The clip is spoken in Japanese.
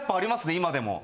今でも。